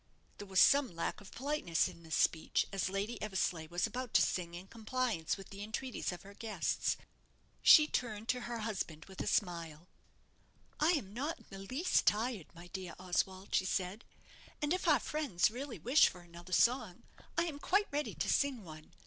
There was some lack of politeness in this speech, as Lady Eversleigh was about to sing in compliance with the entreaties of her guests. She turned to her husband with a smile "I am not in the least tired, my dear Oswald," she said; "and if our friends really wish for another song, I am quite ready to sing one.